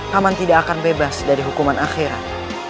taman tidak akan bebas dari hukuman akhirat